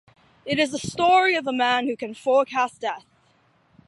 It is "the story of a man who can forecast death".